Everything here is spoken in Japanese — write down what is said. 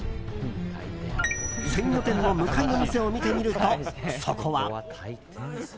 鮮魚店の向かいの店を見てみるとそこは。